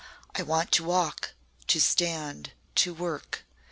I want to walk to stand to work.